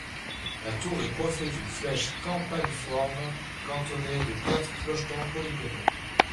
La tour est coiffée d'une flèche campaniforme cantonnée de quatre clochetons polygonaux.